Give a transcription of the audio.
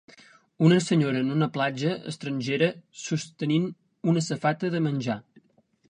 Una senyora en una platja estrangera sostenint una safata de menjar